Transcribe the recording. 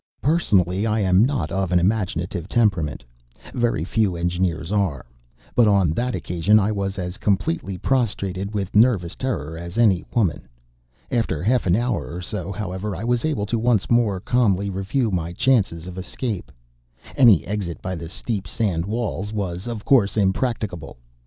Personally I am not of an imaginative temperament, very few Engineers are, but on that occasion I was as completely prostrated with nervous terror as any woman. After half an hour or so, however, I was able once more to calmly review my chances of escape. Any exit by the steep sand walls was, of course, impracticable.